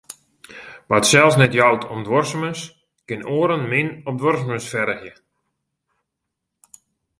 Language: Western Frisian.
Wa't sels net jout om duorsumens, kin oaren min op duorsumens fergje.